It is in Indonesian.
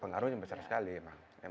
pengaruhnya besar sekali memang